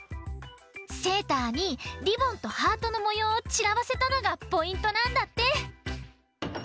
セーターにリボンとハートのもようをちらばせたのがポイントなんだって。